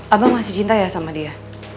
abang masih cinta ya sama dia